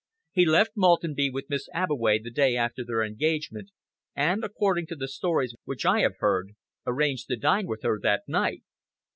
"He left Maltenby with Miss Abbeway the day after their engagement, and, according to the stories which I have heard, arranged to dine with her that night.